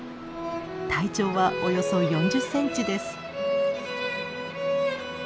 体長はおよそ４０センチです。